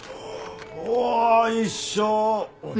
お一緒！